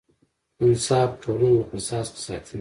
انصاف ټولنه له فساد څخه ساتي.